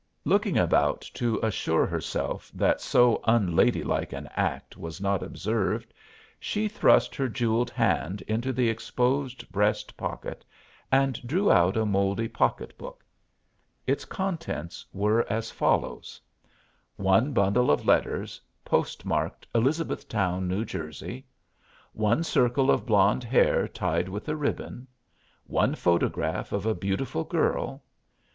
Looking about to assure herself that so unladylike an act was not observed, she thrust her jeweled hand into the exposed breast pocket and drew out a mouldy pocket book. Its contents were as follows: One bundle of letters, postmarked "Elizabethtown, New Jersey." One circle of blonde hair tied with a ribbon. One photograph of a beautiful girl.